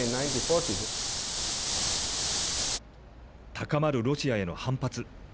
高まるロシアへの反発。